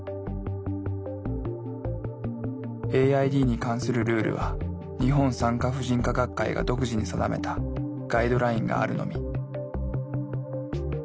ＡＩＤに関するルールは日本産科婦人科学会が独自に定めたガイドラインがあるのみ。